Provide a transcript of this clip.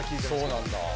そうなんだぁ。